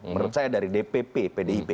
menurut saya dari dpp pdip